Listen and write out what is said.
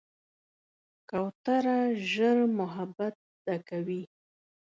کوتره ژر محبت زده کوي.